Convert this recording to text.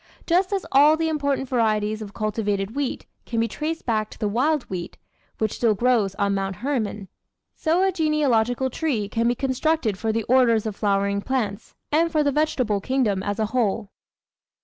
Just as all the important varieties of cultivated wheat can be traced back to the Wild Wheat, which still grows on Mount Natural History 003 Hermon, so a genealogical tree can be constructed for the orders of flowering plants, and for the vegetable kingdom as a whole.